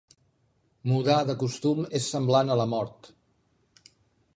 Mudar de costum és semblant a la mort.